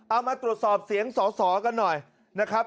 เอามาตรวจสอบเสียงสอสอกันหน่อยนะครับ